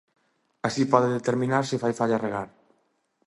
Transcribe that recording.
Así pode determinar se fai falla regar.